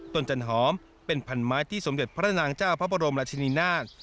ต้นจันหอมเป็นพันธุ์ไม้ที่สมจดพระนางจ้าพระบรมราชินินาท